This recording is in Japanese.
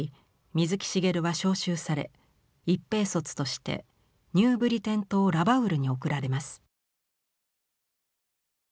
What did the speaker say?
水木しげるは召集され一兵卒としてニューブリテン島ラバウルに送られます。